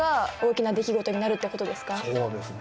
そうですね。